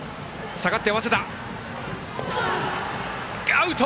アウト！